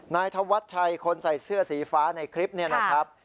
นายธวัชชัยคนใส่เสื้อสีฟ้าในคลิปนี้นะครับ